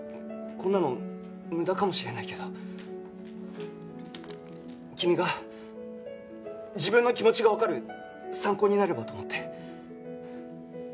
こんなの無駄かもしれないけど君が自分の気持ちがわかる参考になればと思って。